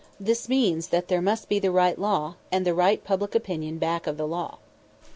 This means that there must be the right law, and the right public opinion back of the law.